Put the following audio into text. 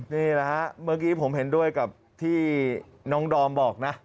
นี่แหละฮะเมื่อกี้ผมเห็นด้วยกับที่น้องดอมบอกนะ